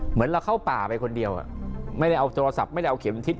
เหมือนเราเข้าป่าไปคนเดียวไม่ได้เอาโทรศัพท์ไม่ได้เอาเข็มทิศ